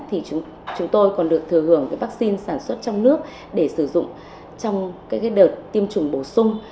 thì chúng tôi còn được thừa hưởng vaccine sản xuất trong nước để sử dụng trong đợt tiêm chủng bổ sung